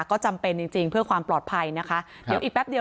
ก็จำเป็นจริงจริงเพื่อความปลอดภัยนะคะเดี๋ยวอีกแป๊บเดียว